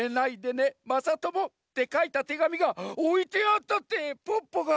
まさとも」ってかいたてがみがおいてあったってポッポが！